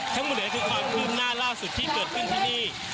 ทั้งหมดนี้คือความคืบหน้าล่าสุดที่เกิดขึ้นที่นี่